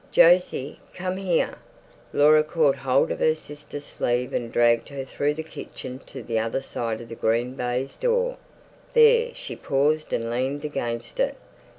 "Jose, come here." Laura caught hold of her sister's sleeve and dragged her through the kitchen to the other side of the green baize door. There she paused and leaned against it.